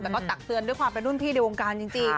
แต่ก็ตักเตือนด้วยความเป็นรุ่นพี่ในวงการจริง